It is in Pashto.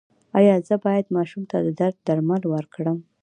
ایا زه باید ماشوم ته د درد درمل ورکړم؟